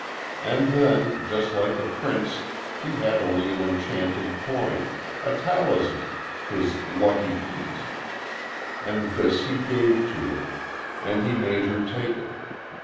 And then, just like the prince, he had only an enchanted coin a talisman his lucky piece. And this he gave to her, and he made her take it.